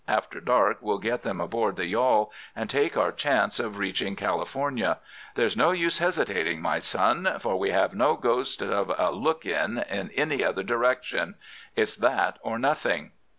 After dark we'll get them aboard the yawl, and take our chance of reaching California. There's no use hesitating, my son, for we have no ghost of a look in in any other direction. It's that or nothing.